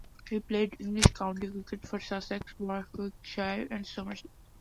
He played English county cricket for Sussex, Warwickshire and Somerset.